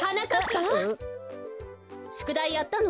しゅくだいやったの？